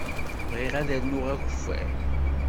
Bɣiɣ ad rnuɣ akeffay.